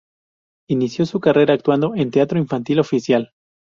Inició su carrera actuando en teatro infantil oficial.